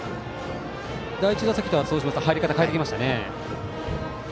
第１打席とは入り方を変えてきました。